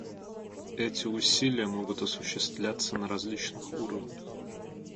Эти усилия могут осуществляться на различных уровнях.